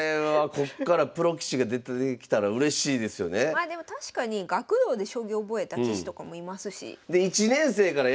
まあでも確かに学童で将棋覚えた棋士とかもいますし。